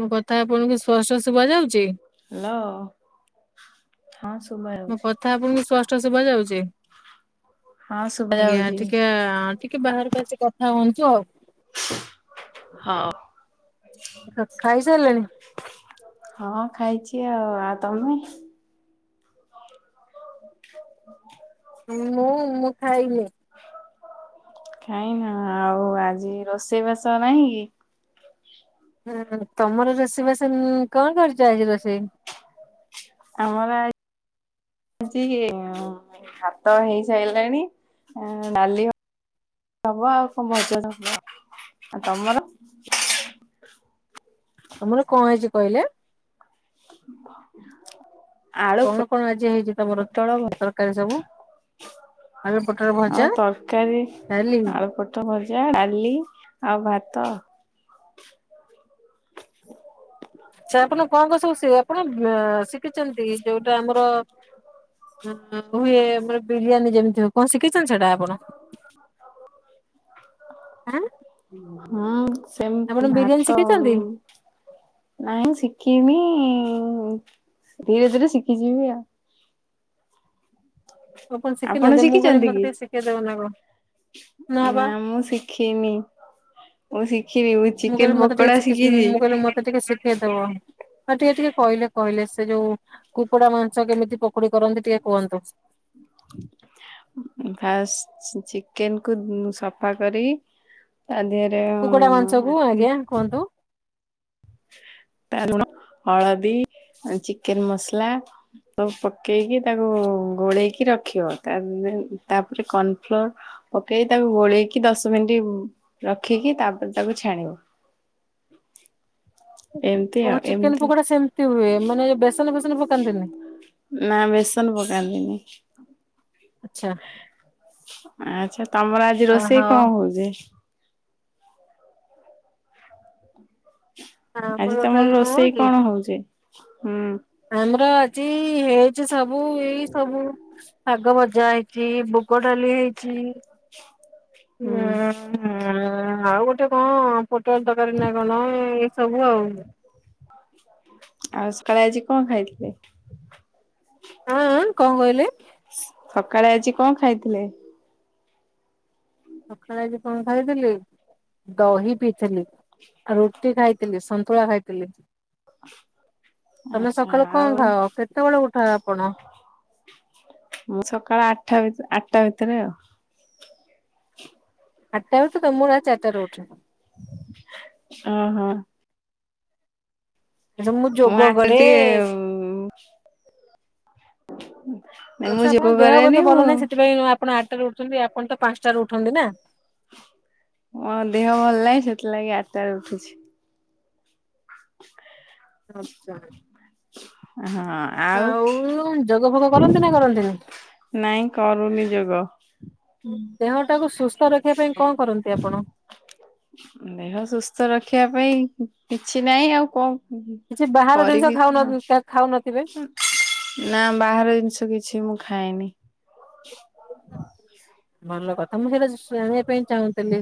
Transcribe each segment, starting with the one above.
ମୋ କଥା ଆପଣଙ୍କୁ ସ୍ପଷ୍ଟ ଶୁଭ ଯାଉଛି। ହାଲୋ। ହ ସୁବା ମୋ କଥା ଆପଣଙ୍କୁ ସ୍ପଷ୍ଟ ଶୁବା ଯାଉଛି। ହଁ ଶୁଭା ଆଜ୍ଞା ଯାଉଛି। ଟିକେ ଟିକେ ବାହାରକୁ ଆସିିକି କଥା ହୁଅନ୍ତୁ ଆଉ ହଁ। ଖାଇସାରିଲେଣି? ହଁ ଖାଇଛି ଆଉ ଆଉ ତମେ? ହ ମୁଁ ମୁଁ ଖାଇନି। ଖାଇନ ଆଉ ଆଜି ରୋଷେଇବାସ ନାହିଁ କି? ହୁଁ ତମର ରୋଷେଇ ବାସ କଣ କରିଛ ଆଜି ରୋଷେଇ? ଆମର ଆ ଆଜି ଭାତ ହେଇସାରିଲାଣି ଡାଲି ହ ହବ ଆଉ କଣ ଭଜା ହବ ଆଉ ତମର? ତମର କଣ ହେଇଛି କହିଲେ? ବା ତମର କଣ ଆଜି ହେଇଛି ତମର ତରକାରୀ ସବୁ? ଆଳୁପୋଟୋଳ ଆଉ ଭଜା ତରକାରୀ ଡାଲି। ଆଳୁ ପୋଟଳ ଭଜା ଡାଲି ଆଉ ଭାତ। ଆଛା ଆପଣ କଣ କଣ ସବୁ ସି ଆପଣ ଶିଖିଛନ୍ତି? ଯୋଉଟା ଆମର ଆମ୍ ଆମ୍ ହୁଏ ଆମର ବିରିୟାନୀ ଯେମିତି ହୁଏ କଣ ଶିଖି ଶିଖି଼ଛନ୍ତି ସେଟା ଆପଣ ହାଁ। ହଁ ସେମ୍ ବିରିୟାନୀ ଭାତ ଶିଖିଛନ୍ତି? ନାଇଁ ଶିଖିନି ଧୀରେ ଧୀରେ ଶିଖିଯିବି ଆଉ ଆପଣ ଶିଖିନାହାନ୍ତି ମୁଁ କହିଲି ଶିଖିଚନ୍ତି ମତେ କି ଟିକେ ଶିଖେଇଦବ ନା କଣ ନା ମୁଁ ଶି ଖିନି ମୁଁ ଶିଖିବି ମୁଁ କହିଲି ଚିକେନ ମତେ ଟିକେ ପକୋଡା ଶିଖି ଶିଖିଚି। ହଁ ଟିକେ ଟିକେ କହିଲେ କହିଲେ ସେ ଯୋଉ କୁକୁଡା ମାଂସ କେମିତି ପକୁଡି କରନ୍ତି ଟିକେ କୁହନ୍ତୁ। ଫାଷ୍ଟ ଚିକେନ କୁ ସଫା କରି ତା ଦେହରେ କୁକୁଡା ମାଂସକୁ ଉଁ ଆଜ୍ଞା କୁହନ୍ତୁ [unintelligible] ଲୁଣ, ହଳଦୀ, ଚିକେନ ମସଲା ସବୁ ପକେଇକି ତାକୁ ଗୋଳେଇକି ରଖିବ ତାପରେ ତାପରେ କର୍ଣ୍ଣଫ୍ଲୋର ପକେଇ ତାକୁ ଗୋଳେଇକି ଦଶ ମିନିଟ ରଖିକି ତାପରେ ତାକୁ ଛାଣିବ। ଏମିତି ଓହୋ ଆଉ ଚିକେନ ଏମିତି ପକୋଡା ସେମିତି ହୁଏ ମାନେ ଏ ବେସନ ଫେସନ ପକାନ୍ତିନି। ନା ବେସନ ପକାନ୍ତିନି। ଆଚ୍ଛା। ଆଚ୍ଛା ତମର ଆଜି ଓହୋ ରୋଷେଇ କଣ ହୋଉଚି? ଆଜି ତମର ରୋଷେଇ କଣ ହୋଉଚି? ହୁଁ। ଆମର ଆଜି ହେଇଚି ସବୁ ଏଇ ସବୁ ଶାଗ ଭଜା ହେଇଚି। ମୁଗ ଡାଲି ହେଇଚି। ହୁଁ ହୁଁ ଆଉ ଗୋଟେ କଣ ପୋଟଲ ଦରକାରୀ ନା କଣ ଏଇ ସବୁ ଆଉ। ଆଉ ସକାଳେ ଆଜି କଣ ଖାଇଥିଲେ? ଆଁ ଆଁ କଣ କହିଲି? ସକାଳେ ଆଜି କଣ ଖାଇଥିଲେ? ସକାଳେ ଆଜି କଣ ଖାଇଥିଲି। ଦହି ପିଇଥିଲି, ଆ ରୁଟି ଖାଇଥିଲି, ସନ୍ତୁଳା ଖାଇଥିଲି। ତମେ ଆଚ୍ଛା ସକାଳୁ କଣ ଆଉ ଖାଅ? କେତେବେଳେ ଉଠ ଆପଣ? ମୁଁ ସକାଳ ଆଠା ଭିତ- ଆଟା ଭିତରେ ଆଉ। ଆଟାରେ ଉଠୁଚ। ମୁଁ ରାତି ଚାରିଟାରୁ ଉଠୁ। ଓ ହୋ। ଆଚ୍ଛା ମୁଁ ଯୋଗ ଆ [unintelligible] କରେ। ଟିକେ ଉଁ ହୁଁ ଆଚ୍ଛା ଆପଣଙ୍କ ଦେହ ବୋଧେ ଭଲ ନାହିଁ ସେଥିପାଇଁ ଆପଣ ଆଟାରେ ଉଠୁଚନ୍ତି? ଆପଣ ତ ପାଞ୍ଚଟାରେ ଉଠନ୍ତି ନା। ମୋ ଦେହ ଭଲ ନାହିଁ ସେଥିଲାଗି ଆଟାରେ ଉଠୁଚି। ହ ଆଚ୍ଛା। ହଁ। ଆଉ ଯୋଗ ଫୋଗ କରନ୍ତି ନା କରନ୍ତିନି? ନାଇଁ କରୁନି ଯୋଗ। ଦେହ ଟାକୁ ସୁସ୍ଥ ରଖିବା ପାଇଁ କଣ କରନ୍ତି ଆପଣ? ଦେହ ସୁସ୍ଥ ରଖିବା ପାଇଁ କିଛି ନାଇଁ ଆଉ କଣ। କିଛି ବାହାର ଜିନିଷ କରିବି କଣ ଖାଉନ-ଖାଉନଥିବେ? ନା ବାହାର ଜିନିଷ କିଛି ମୁଁ ଖାଏନି। ଭଲ କଥା ମୁଁ ସେଇଟା ଶୁ ଜାଣିବା ପାଇଁ ଚାହୁଁଥିଲି।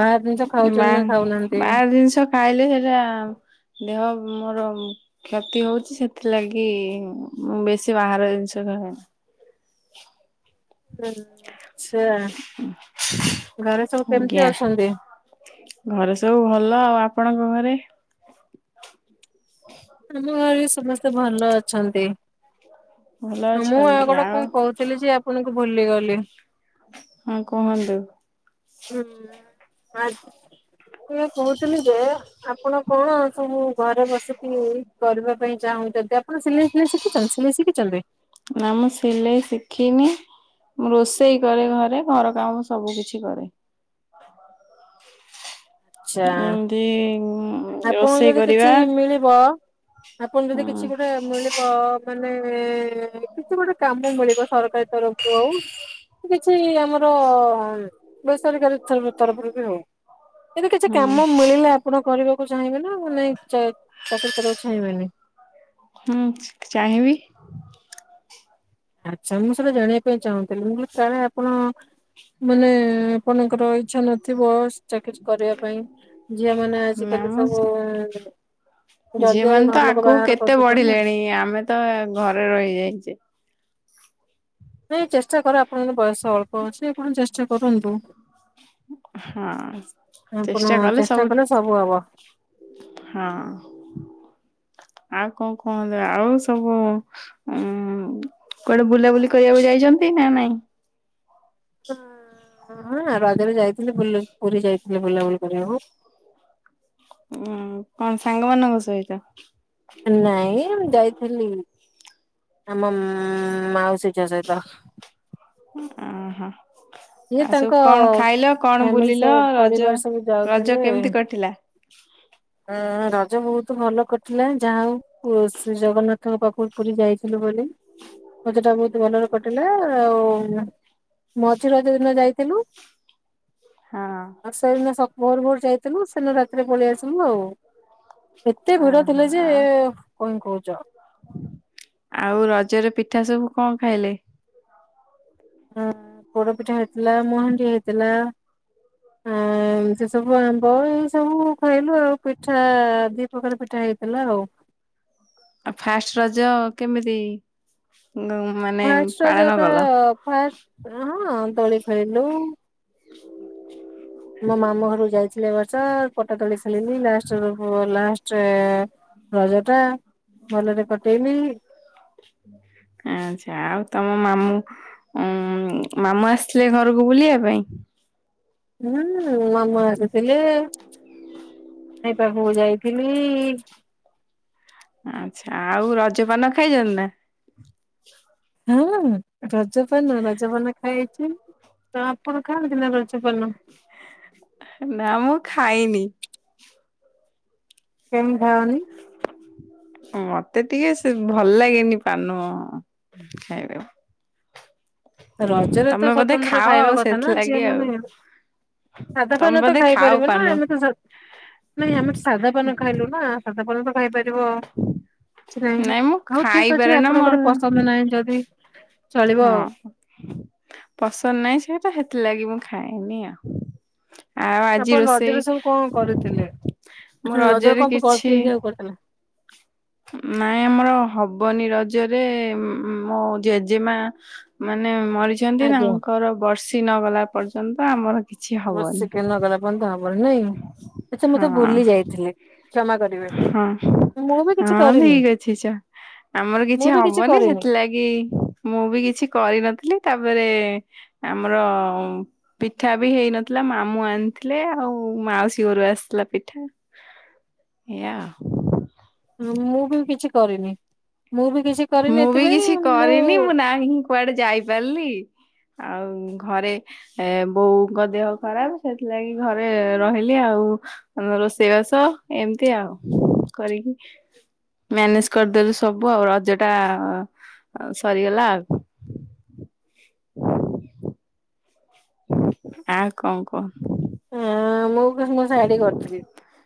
ବାହାର ଜିନିଷ ଖାଉଛନ୍ତି ନା ଖାଉନାହାନ୍ତି। ବା-ବାହାର ଜିନିଷ ଖାଇଲେ ସେଇଟା ଦେହ ମୋର କ୍ଷତି ହୋଉଚୀ ସେଥିଲାଗି ବେଶୀ ବାହାର ଜିନିଷ ଖା ହୁଁ ଆଛା ଘରେ ସବୁ କେମିତି ଆଜ୍ଞା ଅଛନ୍ତି? ଘରେ ସବୁ ଭଲ। ଆଉ ଆପଣଙ୍କ ଘରେ? ଆମ ଘରେ ସମସ୍ତେ ଭଲ ଅଛନ୍ତି। ଭଲ ମୁଁ ଆଉ ଅଛନ୍ତି ଗୋଟେ କଣ କୋହୁଥିଲି ଯେ ଆପଣଙ୍କୁ ଭୁଲିଗଲି। ହଁ କୁହନ୍ତୁ। ହୁଁ ଆଜ ମୁଁ ଏଇ କହୁଥିଲି ଯେ ଆପଣ କଣ ସବୁ ଘରେ ବସି ଏଇ କରିବା ପାଇଁ ଚାହୁଁଚନ୍ତି। ଆପଣ ସିଲେଇ ଫିଲେଇ ଶିଖିଚନ୍ତି ସିଲେଇ ଶିଖିଚନ୍ତି? ନାଁ ମୁଁ ସିଲେଇ ଶିଖିନି। ମୁଁ ରୋଷେଇ କରେ ଘରେ ଘର କାମ ସବୁ କିିଛି କରେ। ଆଚଛା ଏମିତି ଆପଣଙ୍କୁ ରୋଷେଇ ଯଦି କରିବା କିଛି ମିଳିବ ଆପଣ ଯଦି ହୁଁ କିଛି ଗୋଟେ ମିଳିବ? ମାନେ କିଛି ଗୋଟେ କାମ ମିଳିବ ସରକାର ତରଫରୁ ଆଉ କିଛି ଆମର ବେସରକାରୀ ତରଫରୁ ବି ହଉ କିନ୍ତୁ କିଛି ହୁଁ କାମ ମିଳିଲେ ଆପଣ କରିବାକୁ ଚାହିଁବେ ନା ନାଇଁ ଚାକିରୀ କରିବାକୁ ଚାହିଁବେନି? ହୁଁ ଚାହିଁବି। ଆଚ୍ଛା ମୁଁ ସେଇଟା ଜାଣିବା ପାଇଁ ଚାହୁଁଥିଲି ମୁଁ କାଳେ ଆପଣ ମାନେ ଆପଣଙ୍କର ଇଚ୍ଛା ନଥିବ ଚାକିରୀ କରିବା ପାଇଁ। ଝିଅ ମାନେ ଆଜିକାଲି ସବୁ ଝିଅ ଜଲ୍ଦି ଜଲ୍ଦି ମାନ ଘର ତ ଲୋକ ଆଗକୁ ବାହାଘର କେତେ କରିଦଉଛନ୍ତି ନା। ବଢିଲେଣି ଆମେ ତ ଘରେ ରହିଯାଇଛେ। ନାଇଁ ଚେଷ୍ଟା କର ଆପଣଙ୍କର ବୟସ ଅଳ୍ପ ଅଛି କଣ ଚେଷ୍ଟା କରନ୍ତୁ। ହଁ ଆପଣ ଚେଷ୍ଟା କଲେ ସବୁ ହବ। ହଁ ଆଉ କଣ କହନ୍ତି ଆଉ ସବୁ? ହୁଁ କୁଆଡେ ବୁଲାବୁଲି କରିବାକୁ ଯାଇଛନ୍ତି ନା ନାଇଁ? ହ ହଁ ରଜାରେ ଯାଇଥିଲେ ପୁରୀ ଯାଇଥିଲେ ବୁଲାବୁଲି କରିବାକୁ। ହ କଣ ସାଙ୍ଗ ମାନଙ୍କ ସହିତ। ନାଇଁ ମୁ ଯାଇଥିଲି ଆମ ମାଉସୀ ଝଅ ସହିତ। ଓହୋ! ଇଏ ଆଉ ସବୁ ତାଙ୍କ କଣ ଖାଇଲ କଣ ବୁଲିଲ ଫ୍ୟାମିଲି ରଜ ପରିବାର ସବୁ ରଜ ଯାଉଥିଲେ। କେମିତି କଟିଲା? ହଁ ରଜ ବହୁତ ଭଲ କରିଥିଲା ଯାହା ହଉ। ଶ୍ରୀ ଜଗନ୍ନାଥଙ୍କ ପାଖର ପୁରୀ ଯାଇଥିଲୁ ବୋଲି। ମଜ ଟା ବହୁତ ଭଲରେ କଟିଲା ଆଉ। ଆତି [unintelligible] ଦିନ ଯାଇଥିଲୁ ହଁ। ଆଉ ସେଦିନ ଭୋର ଭୋର ଯାଇଥିଲୁ ସେଦିନ ରାତିରେ ପଳେଇ ଆସିଲୁ ଆଉ। ଏତେ ଭିଡ ଓହୋ ଥିଲେ ଯେ ଆଉ କଣ କହୁଛ। ଆଉ ରଜରେ ପିଠା ସବୁ କଣ ଖାଇଲେ? ହଁ ପୋଡପିଠା ହେଇଥିଲା ମହାଣ୍ଡି ହେଇଥିଲା। ଆ ସେ ସବୁ ଆମ୍ବ ଏଇ ସବୁ ଖାଇଲୁ ଆଉ ପିଠା ଦି ପ୍ରକାର ପିଠା ହେଇଥିଲା ଆଉ। ଆଉ ଫାଷ୍ଟ ରଜ କେମିତି ମାନେ ଫାଷ୍ଟ ପାଳନ ରଜଟା କଲ? ଫାଷ୍ଟ ହଁ ତଳି ଖୋଇଲୁ। ମୋ ମାମୁ ଘରକୁ ଯାଇଥିଲେ ବର୍ଷା ପଟା ତଳି ସାରିଲି ଲାଷ୍ଟ ଲାଷ୍ଟ ରଜ ଟା ଭଲରେ କଟେଇନି। ଆଚ୍ଛା ଆଉ ତମ ମାମୁଁ ଉଁ ମାମୁ ଆସିଥିଲେ ଘରକୁ ବୁଲିବା ପାଇଁ। ହୁଁ ମାମୁ ଆସିଥିଲେ ଖାଇ ପାଖକୁ ଯାଇଥିଲି। ଆଛା। ଆଉ ରଜପାନ ଖାଇଛନ୍ତି ନା। ହଁ ରଜପାନ ରଜପାନ ଖାଇଛି। ତ ଆପଣ ଖାଆନ୍ତିନା ରଜ ପାନ। ନା ମୁଁ ଖାଇନି। କେମିତି ଖାଅନି? ମତେ ଟିକେ ସେ ଭଲ ଲାଗେନି ପାନ ଖାଇବାକୁ। ରଜରେ ତ ତମେ ବୋଧେ ସ୍ଵତନ୍ତ୍ର ଖାଅ ଆଉ ଖାଇବା କଥା ନା ସେଥିଲାଗି ଝିଅ ଆଉ। ମାନେ। ସାଧା ତମେ ଫାନ ତ ବୋଧେ ଖାଉ ଖାଇପାରିବ ନା ପାନ। ଆମେ ତ। ନାଇଁ ଆମେ ସାଧାପାନ ଖାଇଲୁ ନା ସାଧା ପାନ ତ ଖାଇପାରିବ। କି ନାଇଁ ମୁଁ ହଉ ଠିକ ଅଛି ଖାଇପାରେ ନା ମୋର ଆପଣଙ୍କର ପସନ୍ଦ ନାହିଁ ଯଦି। ଚଳିବ ଆଉ। ହଁ। ପସନ୍ଦ ନାହିଁ ସେଟା ସେଥିଲାଗି ମୁଁ ଖାଇନି ଆଉ। ଆଉ ଆଜି ଆପଣ ରୋଷେଇ ରଜରେ ସବୁ କଣ କରିଥିଲେ ମୋ ରଜରେ କଣ କଣ କିଛି ପିନ୍ଧିବାକୁ କରିଥିଲେ? ନାଇଁ ଆମର ହବନି ରଜରେ ମୋ ଜେଜେମା ମାନେ ମରିଯ ଛନ୍ତି ଆଜ୍ଞା ତାଙ୍କର ବର୍ଷି ନ ଗଲା ପର୍ଯ୍ୟନ୍ତ ଆମର କିଛି ହବନି। ବ ତ ହବନ ନାଇଁ। ଏଛା ମତେ ହଁ ବୁଲି ଯାଇଥିଲେି କ୍ଷମା କରିବ ହଁ ମୁଁ ବି କିଛି ହଁ କରିନି। ଠିକ ଅଛି ଚ ଆମର ମୁଁ କିଛି ବି ହବନି କରିନି। ସେଥିଲାଗି ମୁଁ ବି କିଛି କରିନଥିଲି ତାପରେ ଆମର ପିଠା ବି ହେଇନଥିଲା ମାମୁଁ ଆଣିଥିଲେ ଆଉ। ମାଉସୀ ଘରୁ ଆସିଲା ପିଠା ଏଇଆଉ। ମୁଁ ବି କିଛି କରିନି ମୁଁ ବି କିଛି କରିନି ମୁଁ ବି ଏଥିପାଇଁ କିଛି ମୁଁ କରିନି ନାହିଁ। କୁଆଡେ ଯାଇପାରିଲି ଆଉ ଘରେ ଏ ବୋଉଙ୍କ ଦେହ ଖରାପ ସେଥିଲାଗି ଘରେ ରହିଲି ଆଉ। ଆମ ରୋ ସେେଇବା ସହ ଏମିତି ଆଉ କରିକି ମ୍ୟାନେଜ କରିଦେଲେ ସବୁ। ସବୁ ଆଉ ରଜ ଟା ସରିଗଲା ଆଉ। ହୁଁ। ଆ କଣ କହ। ହଁ ମୁଁ ଶାଢୀ କରିଥିଲି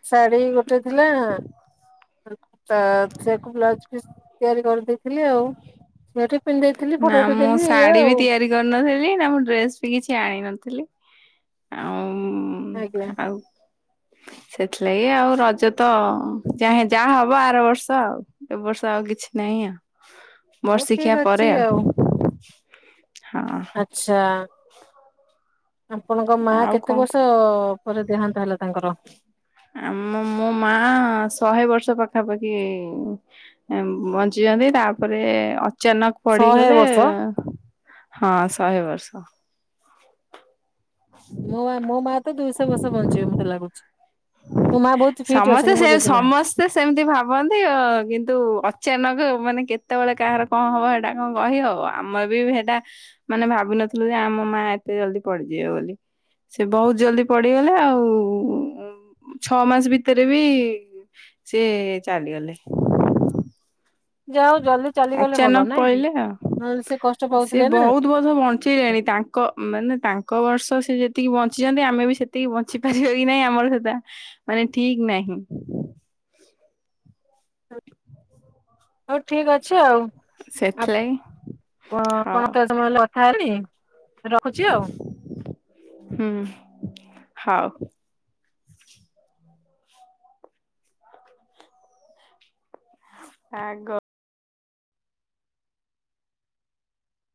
ଶାଢୀ ଗୋଟେ ଥିଲା। ତ ସେକୁ ବ୍ଲାଉଜ ପିସ୍ ତିଆରି କରନ୍ତି। ଥିଲ ଆଉ ସେଠ ପିନ୍ଧି ଦେଇେଇଥିଲି ନା ଫଟୋ ଫଟ ମୁଁ ଦେଲି ଏଇଆ ଶାଢୀ ବି ଆଉ। ତିଆରି କରିନଥିଲି ନା ମୁଁ ଡ୍ରେସ ବି କିଛି ଆଣି ନଥିଲି ଆଉ। ଆଜ୍ଞା ଆଉ। ସେଥିଲାଗି ଆଉ ରଜ ତ ଯାେ ଯାହା ହବ ଆର ବର୍ଷ ଆଉ। ଏ ବର୍ଷା ଆଉ କିଛି ନାହିଁ ଆଉ। ହଉ ବର୍ଷ ଠିକ ଖିଆ ଅଛି ପରେ ଆଉ ହଁ। ଆଚଛା। ଆପଣଙ୍କ ମା ଆଉ କେତେ କଣ ବର୍ଷ ପରେ ଦେହାନ୍ତ ହେଲା ତାଙ୍କର। ଆମ ମୋ ମା ଶହେ ବର୍ଷ ପାଖାପାଖି। ବଞ୍ଚିଛନ୍ତି ତାପରେ ଅଚାନକ। ଶହେ ପଡିଗଲେ ବର୍ଷ ହଁ ଶହେ ବର୍ଷ। ହ। ମୋ ମୋ ମା ତ ଦୁଇଶହ ବର୍ଷ ବଞ୍ଚିବେ ମତେ ଲାଗୁଛି। ମୋ ମା ବହୁତ ଫିଟ୍ ସମସ୍ତେ ଅଛନ୍ତି ମୋ ଜେଜେମା। ସମସ୍ତେ ସେ ସେମିତି ଭାବନ୍ତି କିନ୍ତୁ ଅଚାନକ ମାନେ କେତେବେଳେ କାହାର କଣ ହବା। ସେଟା କଣ କହି ଆଉ ଆମର ବି ସେଟା ମାନେ ଭାବିନଥିଲୁ ଯେ ଆମ ମା ଏତେ ଜଲଦି ପଡିଯିବ ବୋଲି। ସେ ବହୁତ ଜଲଦି ପଡିଗଲେ ଆଉ ଛଅ ମାସ। ଭିତରେ ବି ସେି ଚାଲିଗଲେ। ଯ ଆଉ ଜଲଦି ଚାଲିଗଲେ ଭଲ ଅଚାନକ ନାଇଁ କି ପଳେଇଲେ ଆଉ। ନହେଲେ ସେ କଷ୍ଟ ସେ ପାଉଥିଲେ ନା। ବହୁତ ବର୍ଷ ବଞ୍ଚେଇଲେଣି ତାଙ୍କ ମାନେ ତାଙ୍କ ବର୍ଷ ସେ ଯେତିକି ବଞ୍ଚିଛନ୍ତି ଆମେ ବି ଏତିକି ବଞ୍ଚି ପାରିବ କି ନାଇଁ ଆମର ସେଟା ମାନେ ଠିକ ନାହିଁ। ହଉ ଠିକ ଅଛି ଆଉ ସେଥିଲାଗି କଣ? ହଉ ତଲେ କଥା ହେନି ରଖୁଛି ଆଉ। ହୁଁ ହଉ। ଆଗ